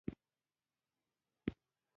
په هره ستونزه کې یو فرصت هم نغښتی وي